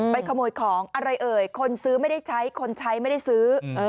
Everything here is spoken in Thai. ขโมยของอะไรเอ่ยคนซื้อไม่ได้ใช้คนใช้ไม่ได้ซื้อ